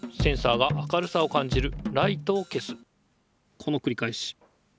このくりかえし。